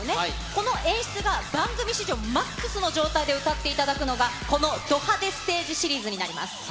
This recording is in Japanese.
この演出が、番組史上マックスの状態で歌っていただくのが、このド派手ステージシリーズになります。